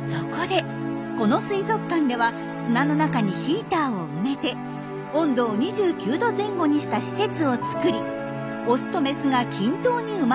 そこでこの水族館では砂の中にヒーターを埋めて温度を２９℃前後にした施設を作りオスとメスが均等に生まれるように工夫しているんです。